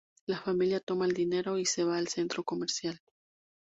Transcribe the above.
La familia toma el dinero y se va al centro comercial.